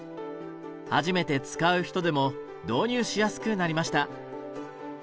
初めて使う人でも導入しやすくなりました。